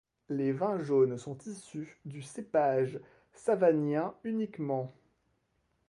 Les vins jaunes sont issus du cépage savagnin uniquement.